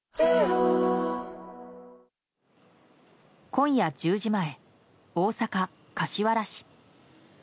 今夜１０時前、大阪・柏原市。